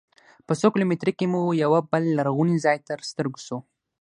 په څو کیلومترۍ کې مو یوه بل لرغونی ځاې تر سترګو سو.